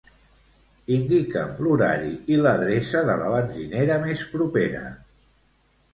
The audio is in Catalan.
Indica'm l'horari i l'adreça de la benzinera més propera.